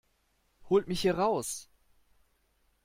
Holt mich hier raus!